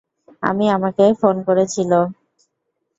আনি আমাকে ফোন করেছিল।